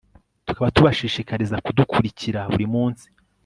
tukaba tubashishikariza kudukurikira buri munsi